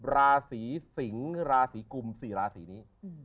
ราศีสิงศ์ราศีกุม๔ราศีนี้